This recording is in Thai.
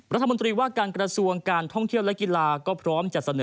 รัฐมนตรีว่าการกระทรวงการท่องเที่ยวและกีฬาก็พร้อมจะเสนอ